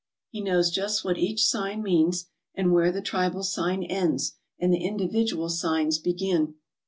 He knows just what each sign means, and where the tribal sign ends and the individual signs begin.